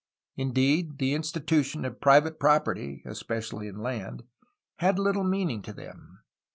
Indeed, the institution of private property (especially in land) had little meaning to them.